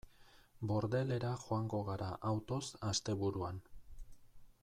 Bordelera joango gara autoz asteburuan.